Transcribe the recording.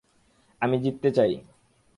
আমি জিততে চাই।